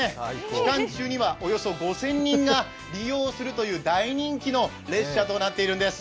期間中にはおよそ５０００人が利用するという大人気の列車となっています。